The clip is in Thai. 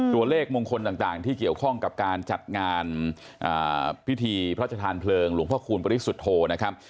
ตัวเลขมงคลต่างที่เกี่ยวข้องกับการจัดงานพิธีพระชธานเพลิงหลวงพ่อคูณปริสุทธโธนะครับ